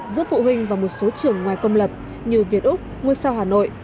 giữa phụ huynh và một số trường ngoài công lập như việt úc nguyên sao hà nội